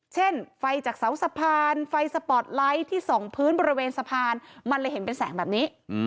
เช่นไฟจากเสาสะพานไฟสปอร์ตไลท์ที่ส่องพื้นบริเวณสะพานมันเลยเห็นเป็นแสงแบบนี้